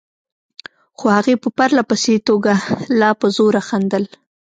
خو هغې په پرله پسې توګه لا په زوره خندل.